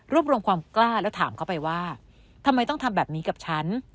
รวมรวมความกล้าแล้วถามเขาไปว่าทำไมต้องทำแบบนี้กับฉัน